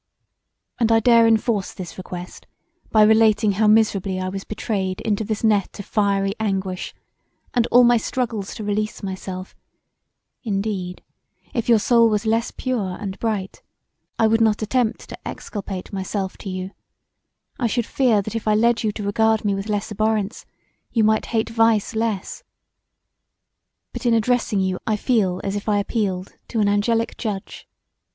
And I dare enforce this request by relating how miserably I was betrayed into this net of fiery anguish and all my struggles to release myself: indeed if your soul were less pure and bright I would not attempt to exculpate myself to you; I should fear that if I led you to regard me with less abhorrence you might hate vice less: but in addressing you I feel as if I appealed to an angelic judge.